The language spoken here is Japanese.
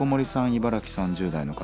茨城３０代の方。